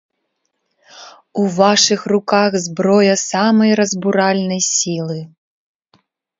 У вашых руках зброя самай разбуральнай сілы!